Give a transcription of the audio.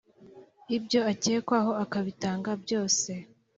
ibyo akekwaho, akabitanga byose